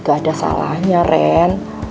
gak ada salahnya ren